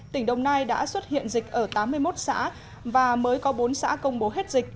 tỉnh đồng nai đã xuất hiện dịch ở tám mươi một xã và mới có bốn xã công bố hết dịch